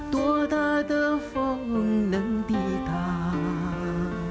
ตัวตาเด้อฟองนึงดีต่าง